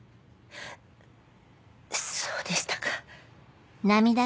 そうでしたか。